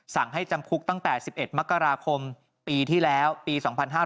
สั่งให้จำคุกตั้งแต่๑๑มกราคมปีที่แล้วปี๒๕๕๙